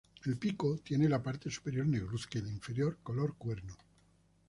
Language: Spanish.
El pico tiene la parte superior negruzca y la inferior color cuerno.